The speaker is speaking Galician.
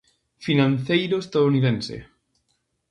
Financeiro estadounidense.